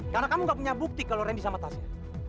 karena kamu tidak punya bukti kalau randy sama tasya